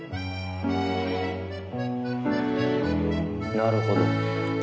なるほど。